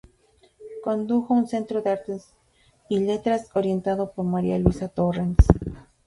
Condujo un Centro de Artes y Letras, orientado por María Luisa Torrens.